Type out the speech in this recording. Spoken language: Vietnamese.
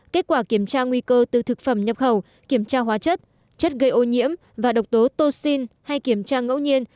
kết quả kiểm tra nguy cơ từ thực phẩm nhập khẩu kiểm tra hóa chất chất gây ô nhiễm và độc tố tô xin hay kiểm tra ngẫu nhiên